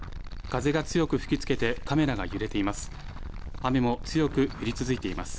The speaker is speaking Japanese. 風が強く吹きつけてカメラが揺れています。